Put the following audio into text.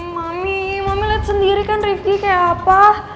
mami mami lihat sendiri kan rifki kayak apa